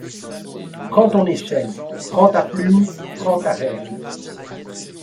Prends ton échelle, prends ta plume, prends ta règle ;